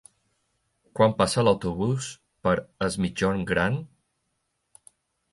Quan passa l'autobús per Es Migjorn Gran?